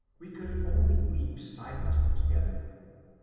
We could only weep silently together.